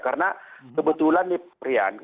karena kebetulan ini prian